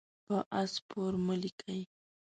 په آس سپور مه لیکئ.